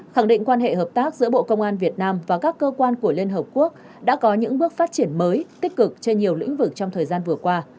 khẳng định quan hệ hợp tác giữa bộ công an việt nam và các cơ quan của liên hợp quốc đã có những bước phát triển mới tích cực trên nhiều lĩnh vực trong thời gian vừa qua